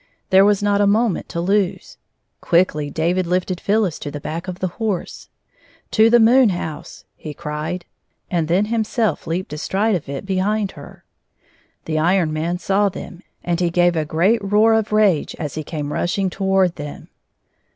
There was not a moment to lose. Quickly David lifted Phyllis to the back of the horse. " To the moon house !" he cried ; and then himself leaped astride of it behind her. The Iron Man saw them, and he gave a great roar of rage as he came rushing toward them.